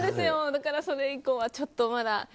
だから、それ以降はちょっとまだ。